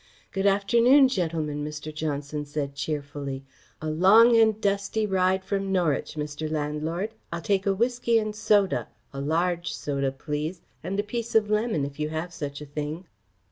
"Good afternoon, gentlemen," Mr. Johnson said cheerfully. "A long and dusty ride from Norwich, Mr. Landlord. I'll take a whisky and soda a large soda, please, and a piece of lemon, if you have such a thing."